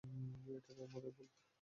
এটা আমারই ভূল।